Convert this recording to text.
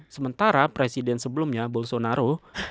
sementara presiden sebelumnya bolsonaro